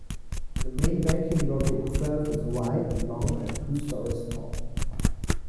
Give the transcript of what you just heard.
The main banking lobby itself is wide, long, and two stories tall.